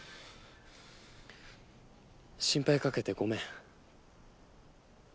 心配かけてごめん。